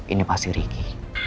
ini pasti riki